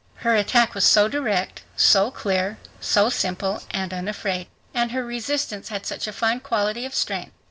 Her attack was so direct, so clear, so simple and unafraid. And her resistance had such a fine quality of strength.